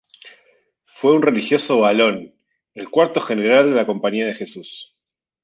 Fue un religioso valón, el cuarto General de la Compañía de Jesús.